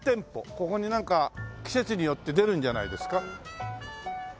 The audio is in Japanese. ここになんか季節によって出るんじゃないですか。